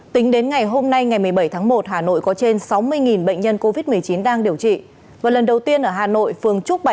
tính đến ngày hôm nay ngày một mươi bảy tháng một hà nội có trên sáu mươi ca